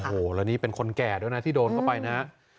โอ้โหแล้วนี่เป็นคนแก่ด้วยนะที่โดนเข้าไปนะ